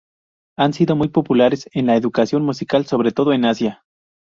Han sido muy populares en la educación musical, sobre todo en Asia.